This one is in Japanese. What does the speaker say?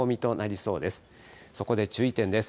そこで注意点です。